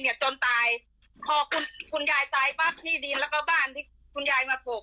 จนตายพอคุณคุณยายตายปั๊บที่ดินแล้วก็บ้านที่คุณยายมาปลูก